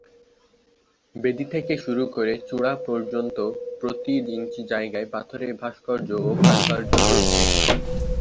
বেদী থেকে শুরু করে চূড়া পর্যন্ত প্রতি ইঞ্চি জায়গায় পাথরের ভাস্কর্য ও কারুকার্য রয়েছে।